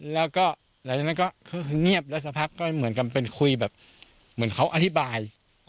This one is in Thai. แล้วก็คือเงียบแล้วสักพักก็เหมือนกันเป็นคุยแบบเหมือนเขาอธิบาย